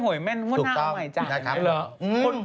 ทำไมถ้าไม่อยู่มั่นมูดหน้าเอาใหม่จ้ะไม่เหรอถูกต้อง